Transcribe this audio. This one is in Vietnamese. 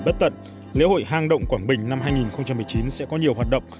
bất tận lễ hội hang động quảng bình năm hai nghìn một mươi chín sẽ có nhiều hoạt động